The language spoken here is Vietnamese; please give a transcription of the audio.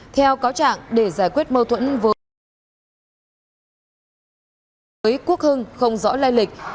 theo cáo trạng để giải quyết mâu thuẫn với quốc hưng không rõ lai lịch